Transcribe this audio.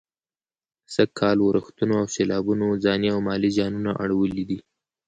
سږ کال ورښتونو او سېلابونو ځاني او مالي زيانونه اړولي دي.